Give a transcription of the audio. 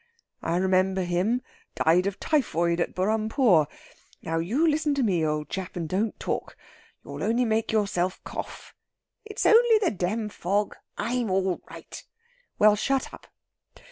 '" "I remember him. Died of typhoid at Burrampore. Now you listen to me, old chap, and don't talk you only make yourself cough." "It's only the dam fog. I'm all right." "Well, shut up.